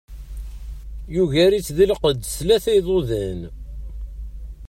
Yugar-itt di lqedd s tlata n yiḍudan.